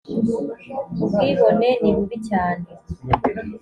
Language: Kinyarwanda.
ubwibone nibubi cyane